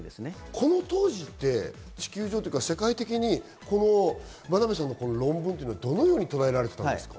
この当時って世界的に真鍋さんの論文はどのようにとらえられていたんですか？